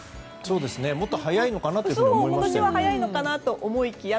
もっと早いのかなと思いましたよね。